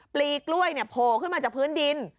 ปลีกล้วยโผล่ขึ้นมาจากพื้นดิน